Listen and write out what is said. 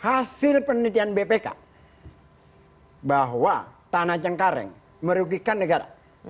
hasil penelitian bpk bahwa tanah cengkareng merugikan negara